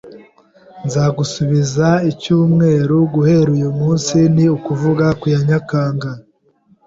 Nzagusubiza icyumweru guhera uyu munsi, ni ukuvuga ku ya Nyakanga.